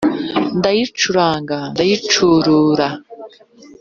Ndayicuranga ndayicurura